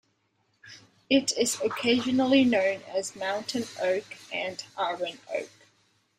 It is occasionally known as mountain oak and iron oak.